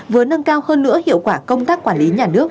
vừa nâng cao hơn nữa hiệu quả công tác quản lý nhà nước